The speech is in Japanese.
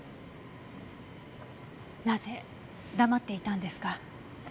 なぜ黙っていたんですか？